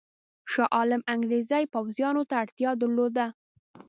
شاه عالم انګرېزي پوځیانو ته اړتیا درلوده.